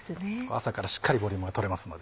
朝からしっかりボリュームが取れますので。